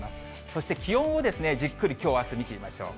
そして気温をじっくりきょう、あす、見てみましょう。